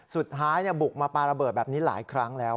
สุดท้ายบุกมาปลาระเบิดแบบนี้หลายครั้งแล้ว